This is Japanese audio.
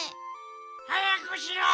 はやくしろ！